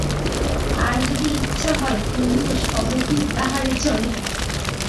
আর যদি ইচ্ছা হয় তুমিও সমভিব্যাহারে চল।